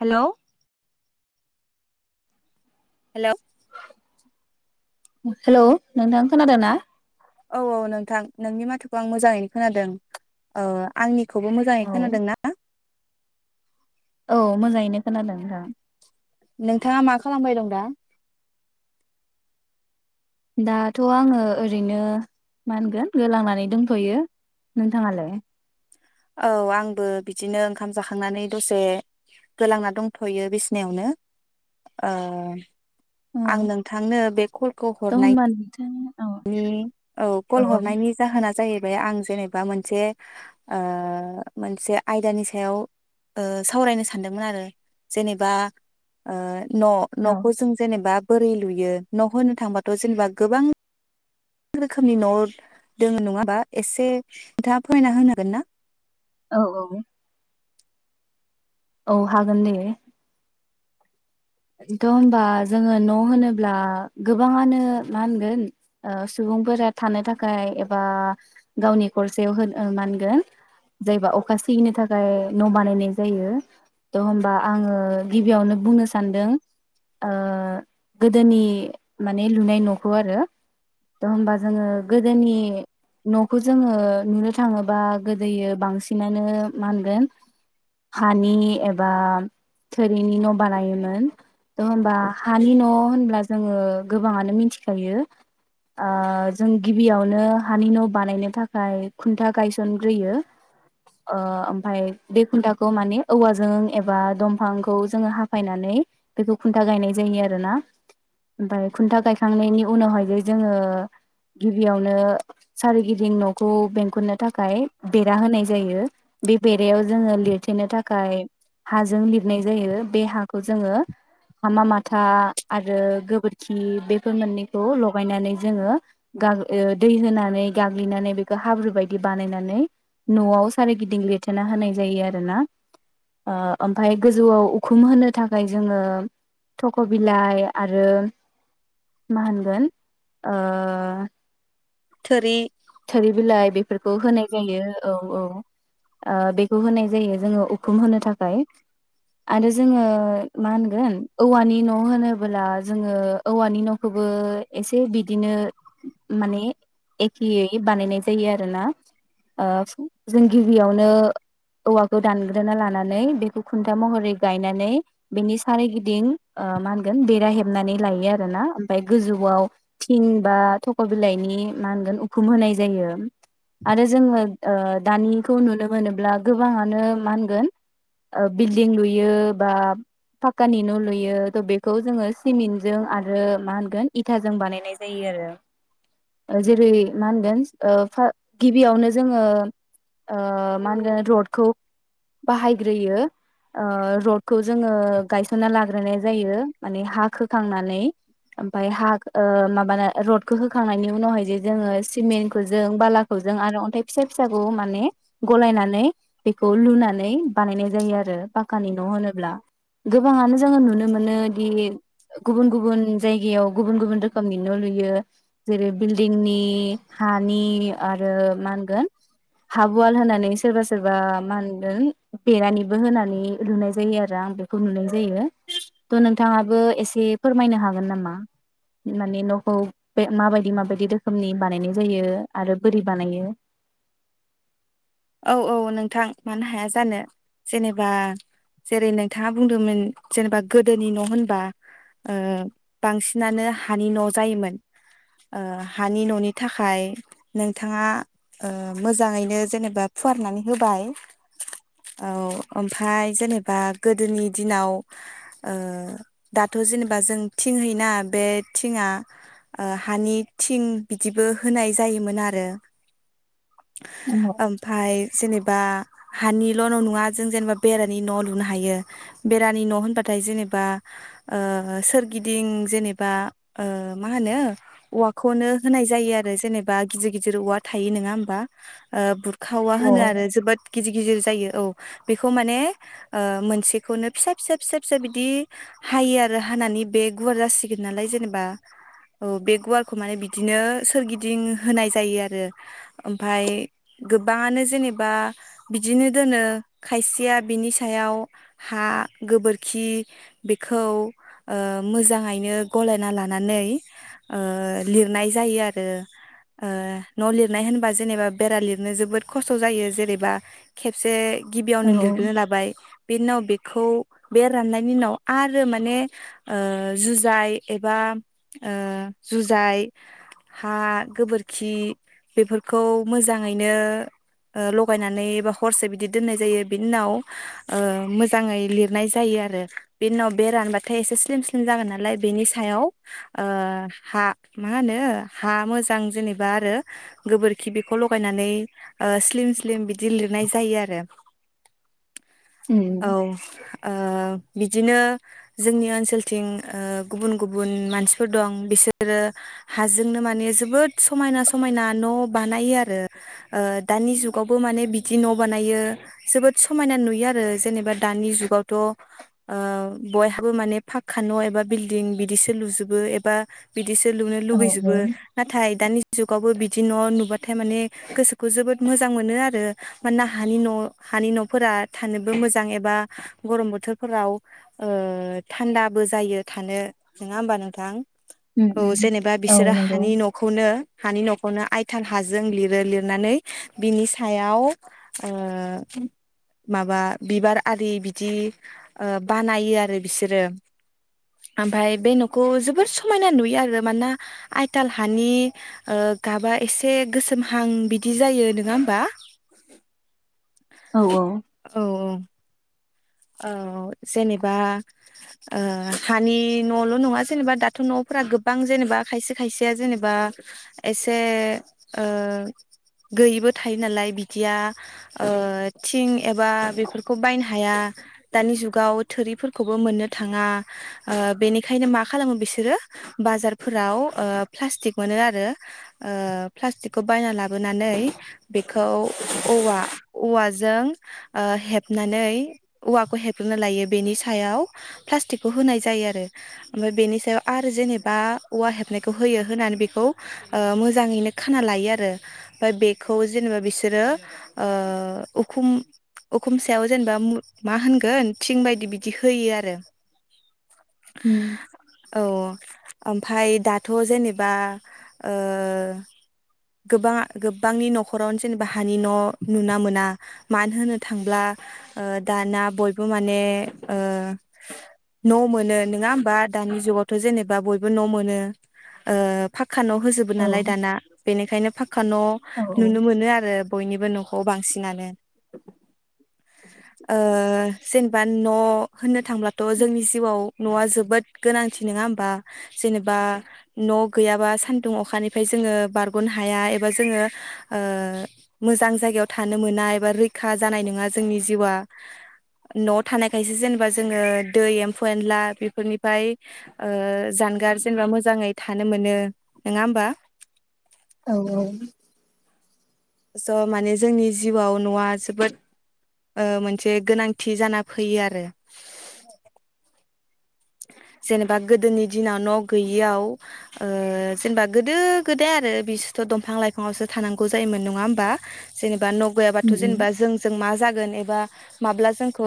Hello hello hello नोंथां खोनादों ना औ औ नोंथां नोंनि माथोखौ आं मोजाङैनो खोनादों ओ आंनि खौबो मोजाङै खोनादों ना औ मोजाङैनो खोनादों नोंथां नोंथाङा मा खालामबाय दं दा दाथ' आङो ओरैनो मा होनगोन गोलांनानै दोनथ'यो नोंथाङालाय औ आंबो बिदिनो ओंखाम जाखांनानै दसे गोलांना दंथ'यो बिसिनायावनो ओ औ आं नोंथांनो बे कलखौ थ' हरनाय होमबा नोंथां औ औ कल हरनायनि जाहोना जाहैबाय आं जेनेबा मोनसे मोनसे ओ आयदानि सायाव ओ सावरायनो सानदोंमोन आरो जेनेबा ओ न' औ न'खौ जों जेनेबा बोरै लुयो न' होननो थांबाथ' जेनेबा गोबां गोबां‌ रोखोमनि न दोङो नङा हाबा एसे नोंथाङा फरायना होनो हागोन ना औ औ औ हागोन दे थ' होमबा जोङो न' होनोब्ला गोबाङानो मा होनगोन ओ सुबुंफोरा थानो थाखाय एबा गावनि खरसेयाव मा होनगोन जायबा अखा सिगिनो थाखाय न' बानायनाय जायो थ' होमबा आङो गिबियावनो बुंनो सानो सानदों ओ गोदोनि माने लुनाय न'खौ आरो थ' होमबा जोङो गोदोनि न'खौ जोङो नुनो थाङोबा गोदोयो ओ बांसिनानो मा होनगोन हानि एबा थोरिनि न' बानायोमोन थ होमबा हानि न' होनब्ला जोङो गोबाङानो मिथिखायो ओ जों गिबियावनो हानि न' बानायनो थाखाय खुन्था गायसनग्रोयो ओ ओमाय बे खुन्थाखौ माने औवाजों एबा दंफांखौ जोङो हाफायनानै बेखौ खुन्था गायनाय जायो आरोना ओमफ्राय खुन्था गायखांनायनि उनावहाय जे जोङो गिबियावनो सारिगिदिं न'खौ बेंखननो थाखाय बेरा होनाय जायो बे बेरायाव जोङो लिरथेनो थाखाय हाजों लिरनाय जायो बे हाखौ जोङो हामा माथा आरो गोबोरखि बेफोर मोननैखौ लगायनानै जोङो गाब ओ दै होनानै गाग्लिनानै बेखौ हाब्रु बायदि बानायनानै न'आव सारिगिदिं लिरथेना होनाय जायो आरोना ओ ओमफाय गोजौआव उखुम होनो थाखाय जोङो थख' बिलाइ आरो मा होनगोन ओ थोरिनि थोरि बिलाइ बेफोरखौ होनाय जायो औ औ ओ बेखौ होनाय जायो जोङो उखुम होनो थाखाय आरो जोङो मा होनगोन औवानि न' होनोब्ला जोङो औवानि न'खौबो एसे बिदिनो माने एक खियै बानायनाय जायो आरो ना ओ जों गिबियावनो औवाखौ दानग्रोना लानानै बेखौ खुन्था महरै गायनानै बेनि सारिगिदिं मा होनगोन बेरा हेबनानै लायो आरोना ओमफाय गोजौआव थिं बा थख' बिलाइनि मा होनगोन उखुम होनाय जायो आरो जोङो ओ दानिखौ नुनो मोनोब्ला गोबाङानो मा होनगोन ओ बिल्डिं लुयो बा फाक्कानि न' लुयो त' बेखौ जोङो सिमेन्टजों आरो मा होनगोन इथाजों बानायनाय जायो आरो जेरै मा होनगोन ओ गिबियावनो जोङो ओ मा होनगोन रडखौ बाहायग्रोयो ओ रडखौ जोङो गायसनना लाग्रोनाय जायो माने हा होखांनानै ओमफाय हा माबानो रडखौ होखांनायनि उनावहाय जे जोङो सिमेन्टखौ जों बाला खौजों आरो अन्थाइ फिसा फिसाखौ माने गलायनानै बेखौ लुनानै बानायनाय जायो आरो पाक्कानि न' होनोब्ला गोबाङानो जोङो नुनो मोनो दि गुबुन गुबुन जायगायाव गुबुन गुबुन रोखोमनि न' लुयो जेरै बिल्डिंनि हानि आरो मा होनगोन हाब अवाल होनानै सोरबा सोरबा मा होनगोन बेरानिबो होनानै लुनाय जायो आरो आं बेखौ नुनाय जायो थ' नोंथाङाबो एसे फोरमायनो हागोन नामा माने न'खौ बे माबायदि माबायदि रोखोमनि बानायनाय जायो आरो बोरि बानायो औ औ नोंथां मानो हाया जानो जेनेबा जेरै नोंथाङा बुंदोंमोन जेनेबा गोदोनि न' होनबा ओ बांसिनानो हानि न' जायोमोन ओ हानि न'नि थाखाय नोंथाङा मोजाङैनो जेनेबा फुवारनानै होबाय औ ओमफ्राय जेनेबा गोदोनि दिनाव ओ दाथ' जेनेबा जों थिं होयोना बे थिंआ ओ हानि थिं बिदिबो होनाय जायोमोन आरो औवा य जेनेबा हानिल' न' नङा जों जेनेबा बेरानि न' लुनो हायो बेरानि न' होनबाथाय जेनेबा ओ सोरगिदिं जेनेबा ओ मा होनो औवाखौनो होनाय जायो आरो जेनेबा गिदिर गिदिर औवा थायो नोङा होमबा खावा औ होनो आरो जोबोद गिदिर गिदिर जायो औ बेखौ माने ओ मोनसेखौनो फिसा फिसा फिसा फिसा बिदि हायो आरो हानानै बे गुवार जासिगोन नालाय जेनेबा औ बे गुवारखौ माने बिदिनो सोरगिदिं होनाय जायो आरो ओमफाय गोबाङानो जेनेबा बिदिनो दोनो खायसेया बिनि सायाव हा गोबोरखि बेखौ ओ मोजाङैनो गलायना लानानै ओ लिरनाय जायो आरो ओ न' लिरनाय होनबा जेनेबा बेरा लिर नो जोबोद खस्थ' जायो जेनेबा खेबसे गिबियावनो उम औ लिरग्रोनो लाबाय बेनिनाव बे खौ बे राननायनि उनाव आरो माने ओ जुजाय एबा ओ जुजाय हा गोबोरखि बेफोरखौ मोजां नो ओ लगायनानै एबा हरसे बिदि दोननाय जायो बेनिनाव मोजाङै लिरनाय जायो आरो बेनि नाव बे रानबाथाय एसे स्लिम स्लिम जागोन नालाय बेनि सायाव ओ हा माहोनो हा मोजां जेनेबा आरो गोबोरखि बेखौ ल लयनानै ओ स्लिम स्लिम बिदि लिरनाय जायो आरो औ ओ बिदिनो जोंनि ओनसोलथिं ओ गुबुन गुबुन मानसिफोर दं बिसोरो हाजोंनो माने जोबोद समायना समायना न' बानायो आरो। ओ दानि जुगावबो माने बिदि न' बानायो जोबोद समायना नुयो आरो जेनेबा दानि जुगावथ' ओ बयहाबो माने पाखका न' एबा बिल्डिं बिदिसो लुजोबो एबा बिदिसो लुनो लुुबैजोबो औ नाथाय दानि जुगावबो बिदि न' नुबाथाय माने गोसोखौ जोबोद मोजां मोनो आरो मानोना हानि न' हानि न'फोरा थानोबो मोजां एबा गरम बोथोरफोराव ओ थान्दाबो जायो थानो नङा होमबा नोंथां? उम औ उम जेनेबा औ बिसोरो नंगौ हानि न'खौनो हानि न'खौ नो आइथान हाजों लिर दों लिरनानै बिनि सायाव ओ माबा बिबार आरि बिदि ओ बानायो आरो बिसोरो आमफाय बे न'खौ जोबोर समायना नुयो आरो मानोना आइथाल हानि ओ गाबा एसे गोसोम महां बिदि जायो नोङा होमबा? औ औ औ औ ओ जेनेबा ओ हानि न'ल' नङा जेनेबा दाथ' न'फोरा गोबां जेनेबा खायसे खायसेया जेनेबा एसे ओ गैयिबो थायो नालाय बिदिया ओ थिं एबा बेफोरखौ बायनो हाया। दानि जुगाव थोरिफोरखौबो मोननो थाङा ओ बेनिखायनो मा खालामो बिसोरो बाजारफोराव ओ प्लास्टिक मोनो आरो ओ प्लास्टिकखौ बायना लाबोनानै बेखौ औवा औवाजों ओ हेबनानै औवाखौ हेबग्रोनो लायो बेनि सायाव प्लास्टिकखौ होनाय जायो आरो ओमफाय बेनि सायाव आरो जेनेबा औवा हेबनायखौ होयो होनानै बेखौ ओ मोजाङैनो खाना लायो आरो ओमफाय बेखौ जेनेबा बिसोरो ओ उखुम उखुम सायाव जेनेबा मा होनगोन थिं बायदि बिदि होयो आरो उम औ ओमफाय दाथ' जेनेबा ओ गोबा- गोबांनि न'खरावनो जेनेबा हानि न' नुना मोना मानो होनो थांब्ला ओ दाना बयबो माने ओ न' मोनो नोङा होमबा दानि जुगावथ' जेनेबा बयबो न' मोनो ओ फा खक्का न' होजोबो औ नालाय दाना बेनिखायनो फाखक्क न' औ नुनो मोनो आरो बयनिबो न'खौ बांसिनानो ओ जेनेबा न' होननो थांब्लाथ' जोंनि जिउआव न'आ जोबोद गोनांथि नोङा होमबा जेनेबा न' गैयाबा सानदुं अखानिफ्राय जोङो बारग'नो हाया एबा जोङो ओ मोजां जायगायाव थानो मोना एबा रैखा जानाय नङा जोंनि जिउआ न'आव थानायखायसो जेनेबा जोङो दै एम्फौ एनला बेफोरनिफाय ओ जानगार जेनेबा मोजाङै थानो मोनो नोङा होमबा औ औ स' माने जोंनि जिउआव न'आ जोबोद ओ मोनसे गोनांथि जाना फैयो आरो। जेनेबा गोदोनि दिनाव न' गैयियाव ओ जेनेबा गोदो गोदाय आरो बिसोरथ' दंफां लाइफावसो थानांगौ जायोमोन नङा होमबा जेनेबा न' गैयाबाथ' उम उम जेनेबा जों मा जाग एबा माब्ला जोंखौ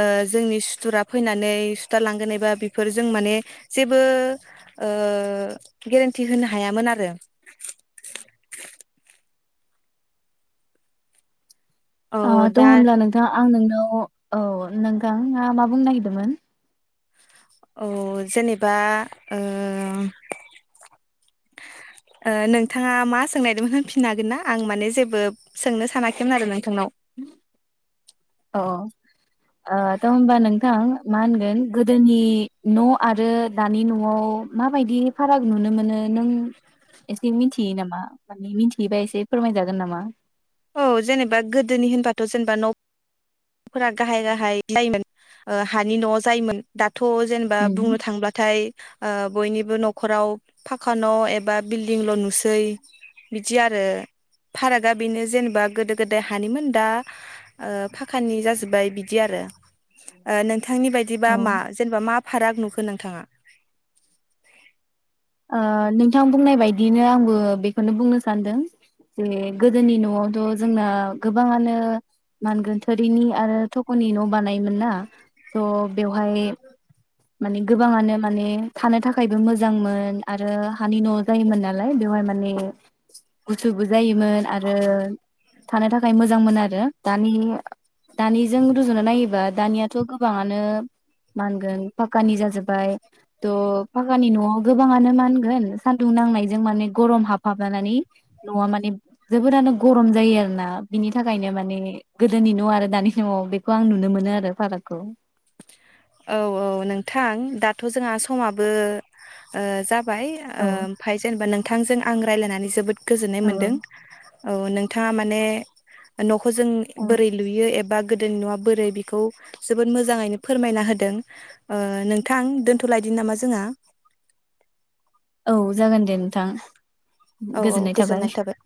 ओ जोंनि सुथुरा फैनानै सुथारलांगोन एबा बा बेफोर जों माने जेबो ओ गेरेन्टि होनो हायामोन आरो औ आ द' दा होनब्ला नोंथा आं नोंनाव औ नोंथाङा मा बुंनो नागिरदोंमोन? अ जेनेबा ओ ओ नोंथाङा मा सोंनायादोंमोन होनफिनो हागोन ना आं माने जेबो सोंनो सानाखैमोन आरो नोंथांनाव। अ ओ थ' होमबा नोंथां मा होनगोन गोदोनि न' आरो दानि न'आव माबायदि फाराग नुनो मोनो नों एसे मिथियो नामा? माने मिथियैबा एसे फोरमायजागोन नामा? औ जेनेबा गोदोनि होनबाथ' जेनेबा न' फोरा गाहाय गाहाय जायोमोन ओ हानि न' [inaudible] आव जायोमोन दा थ' जेनेबा बुंनो उम थांब्लाथाय ओ बयनिबो न'खराव फाखा न' एबा बिल्डिंल' नुसै बिदि आरो फारागा बेनो जेनेबा गोदो गोदाय हानिमोन दा ओ फा खानि जाजोबबाय बिदि आरो ओ नों थांनि बायदिबा औ मा जेनेबा मा? फाराग नुखो नोंथाङा ओ नोंथां बुंनाय बायदियैनो आंबो बेखौनो बुंनो सानदों जे गोदोनि न'आवथ' जोंना गोबाङानो मानगोन थोरिनि आरो थख'नि न' बानायोमोन ना थह बेवहाय माने गोबाङानो माने थानो थाखायबो मोजांमोन आरो हानि न' जायोमोन नालाय बेवहाय माने गुसुबो जायोमोन आरो थानो थाखाय मोजांमोन आरो दानि दानिजों रुजुना नायोबा दानियाथ' गोबाङानो मा होनगोन पाकानि जाजोबबाय त' पाकानि न'आव गोबाङानो मा होनगोन सानदुं नांनायजों माने गरम हाबहाबनानै न'आ माने जोबोरानो गरम जायो आरोना बिनि थाखायनो माने गोदोनि न' आरो दानि न'आव बेखौ आं नुनो मोनो आरो फारागखौ औ औ नोंथां दाथ' जोंहा समाबो ओ जा बाय ओ औ ओमफ्राय जेनेबा नोंथांजों आं रायलायनानै जोबोद गोजोननाय मोनदों औ नोंथाङा माने नख जों औ बोरै लुयो एबा गोदोनि न'आ बोरै बेखौ जोबोद मोजाङैनो फोरमायना होदों ओ नोंथां दोनथ'लायदिनि नामा जोंहा औ जागोन दे नोंथां औ औ गोजोननाय थाबाय